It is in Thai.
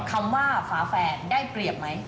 คำว่าฝาแฝดได้เปรียบไหม